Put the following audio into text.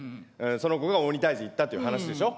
その子が鬼退治行ったっていう話でしょ。